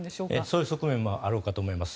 そういう側面もあろうかと思います。